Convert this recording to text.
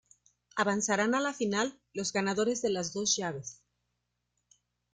Avanzarán a la final los ganadores de las dos llaves.